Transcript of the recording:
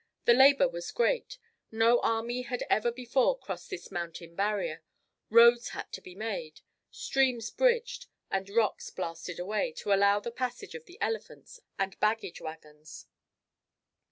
The labour was great; no army had ever before crossed this mountain barrier; roads had to be made, streams bridged, and rocks blasted away, to allow the passage of the elephants and baggage wagons.